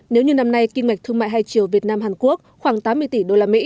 nếu như năm nay kinh mạch thương mại hai triệu việt nam hàn quốc khoảng tám mươi tỷ usd